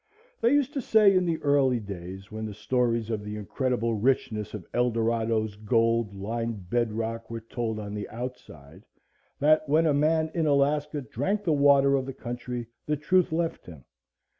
They used to say in the early days when the stories of the incredible richness of Eldorado's gold lined bedrock were told on the "outside," that when a man in Alaska drank the water of the country, the truth left him.